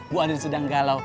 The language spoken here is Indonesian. bu andien sedang galau